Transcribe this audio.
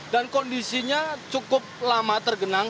dan kondisinya cukup lama tergenang